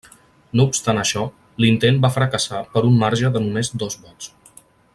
No obstant això, l'intent va fracassar per un marge de només dos vots.